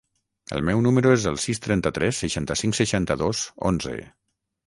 El meu número es el sis, trenta-tres, seixanta-cinc, seixanta-dos, onze.